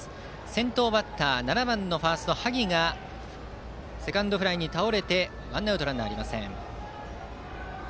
先頭バッター７番のファースト、萩がセカンドフライに倒れてワンアウト、ランナーありません。